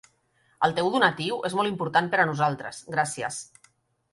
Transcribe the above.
El teu donatiu és molt important per a nosaltres, gràcies.